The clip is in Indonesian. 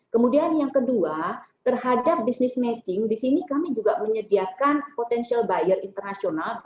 kemudian yang kedua terhadap business matching di sini kami juga menyediakan potential buyer internasional